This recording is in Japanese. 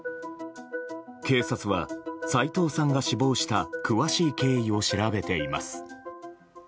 警察は斎藤さんが死亡した詳しい経緯を調べています。